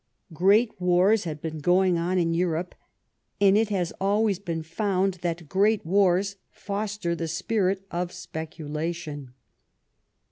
Great wars had been going on in Europe, and it has always been found that great wars foster the spirit of speculation.